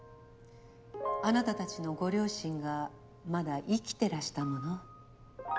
あなたたちのご両親がまだ生きてらしたもの。